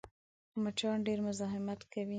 مچان ډېر مزاحمت کوي